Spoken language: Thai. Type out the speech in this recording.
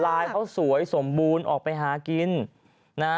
ลายเขาสวยสมบูรณ์ออกไปหากินนะ